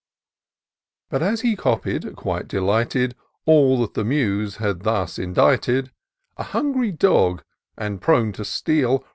But as he copied, qmte delighted, All that the Muse had thus indited, A hungry dog, and prone to steal.